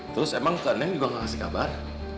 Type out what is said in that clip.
terus emang ke nem juga gak ngasih kabar